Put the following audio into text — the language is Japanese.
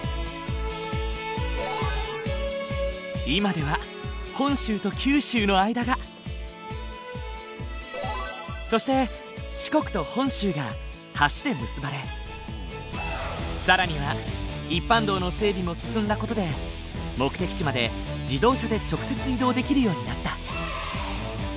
今では本州と九州の間がそして四国と本州が橋で結ばれ更には一般道の整備も進んだ事で目的地まで自動車で直接移動できるようになった。